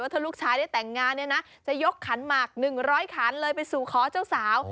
ถ้าลูกชายได้แต่งงานเนี่ยนะจะยกขันหมาก๑๐๐ขันเลยไปสู่ขอเจ้าสาว